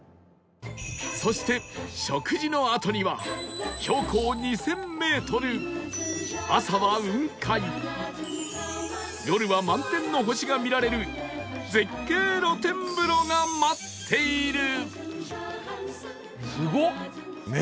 そして食事のあとには標高２０００メートル朝は雲海夜は満天の星が見られる絶景露天風呂が待っている